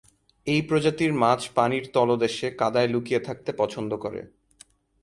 এই প্রজাতির মাছ পানির তলদেশে কাদায় লুকিয়ে থাকতে পছন্দ করে।